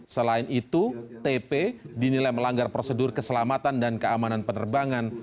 selain itu tp dinilai melanggar prosedur keselamatan dan keamanan penerbangan